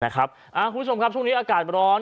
คุณผู้ชมครับช่วงนี้อากาศร้อน